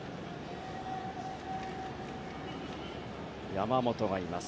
山本がいます。